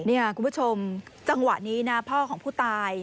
นี่คุณผู้ชมจังหวะนี้นะพ่อของผู้ตาย